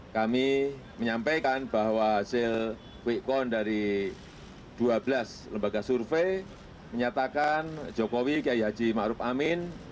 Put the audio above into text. kami menyampaikan bahwa hasil quick count dari dua belas lembaga survei menyatakan jokowi kiah makrup amin